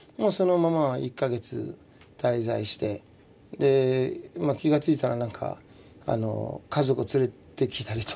で気がついたらなんか家族を連れてきたりとかですね